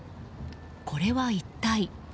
これは一体。